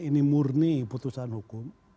ini murni putusan hukum